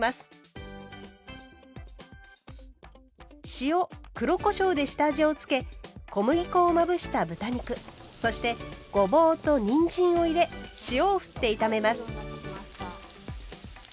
塩黒こしょうで下味を付け小麦粉をまぶした豚肉そしてごぼうとにんじんを入れ塩をふって炒めます。